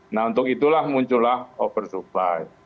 nah untuk itulah muncullah oversupply